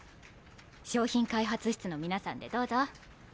商品開発室の皆さんでどうぞ。